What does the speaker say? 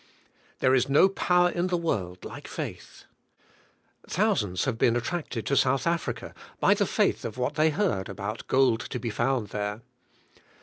There is no power in the world like faith. Thousands have been attracted to South Africa bj the faith of what they heard about gold to be found there.